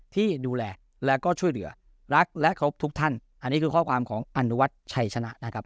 ที่ดูแลแล้วก็ช่วยเหลือรักและครบทุกท่านอันนี้คือข้อความของอนุวัติชัยชนะนะครับ